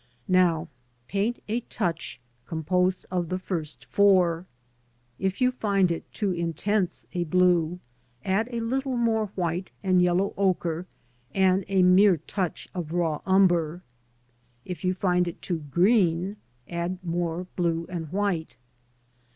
Now paint a touch composed of the first four. If you find it too intense a blue, add a little more white and yellow ochre and a mere touch of raw umber. If you find it too green add more blue and white.